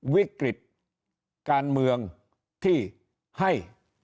วิกฤตการเมืองที่ให้